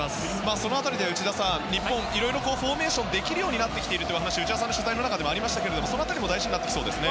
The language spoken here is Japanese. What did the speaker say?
その辺りで内田さん日本はいろいろフォーメーションができるようになってきていると取材の中であったようですがその辺りも大事になってきそうですね。